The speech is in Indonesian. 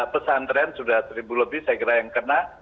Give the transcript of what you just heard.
pesan tren sudah ribu lebih saya kira yang kena